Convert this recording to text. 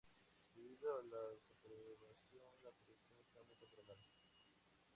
Debido a la sobrepoblación, la reproducción está muy controlada.